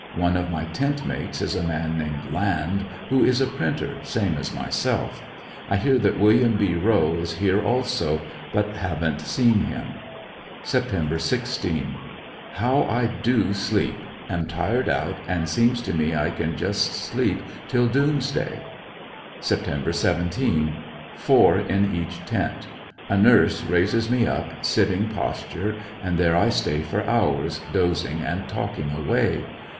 One of my tentmates is a man named Land, who is a printer, same as myself. I hear that Wm. B Rowe is here also, but haven't seen him. Sept. 16 — How I do sleep ; am tired out, and seems to me I can just sleep till doomsday. Sept. 17. — Four in each tent. A nurse raises me up, sitting pos ture, and there I stay for hours, dozing and talking away.